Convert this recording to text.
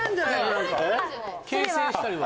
何か形成したりは？